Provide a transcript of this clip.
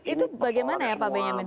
itu bagaimana ya pak benyamin